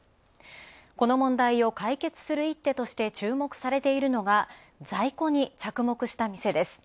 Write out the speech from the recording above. この問題を解決する一手として注目されているのが在庫に着目した店です。